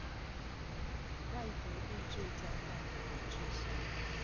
外族帝制專斷的統治下